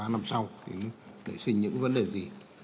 ba năm sau để xin những vấn đề gì